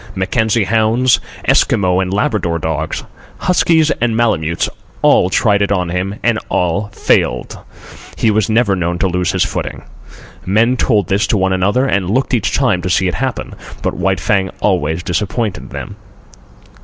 Mackenzie hounds, Eskimo and Labrador dogs, huskies and Malemutes—all tried it on him, and all failed. He was never known to lose his footing. Men told this to one another, and looked each time to see it happen; but White Fang always disappointed them.